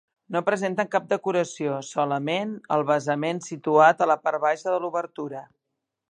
No presenten cap decoració, solament el basament situat a la part baixa de l'obertura.